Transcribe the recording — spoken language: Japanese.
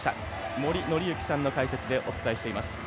森紀之さんの解説でお伝えしています。